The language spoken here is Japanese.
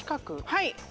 はい。